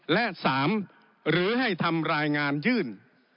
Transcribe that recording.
และ๓หรือให้ทำรายงานยื่น